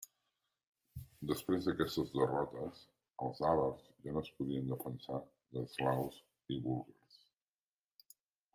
Després d'aquestes derrotes, els àvars ja no es podien defensar d'eslaus i búlgars.